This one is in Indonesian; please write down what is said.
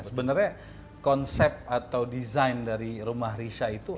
sebenarnya konsep atau desain dari rumah risa itu